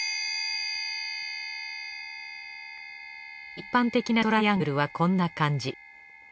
一般的なトライアングルはこんな感じ。